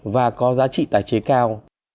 và có giá trị tài chế cao